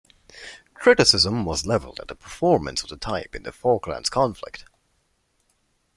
Criticism was levelled at the performance of the type in the Falklands conflict.